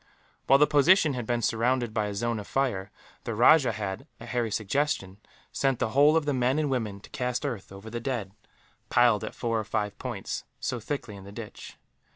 While the position had been surrounded by a zone of fire, the rajah had, at Harry's suggestion, sent the whole of the men and women to cast earth over the dead; piled, at four or five points, so thickly in the ditch.